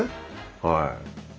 はい。